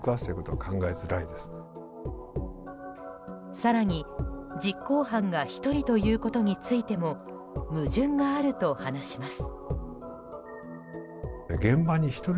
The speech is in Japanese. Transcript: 更に、実行犯が１人ということについても矛盾があると話します。